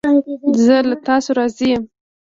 زه له تاسو راضی یم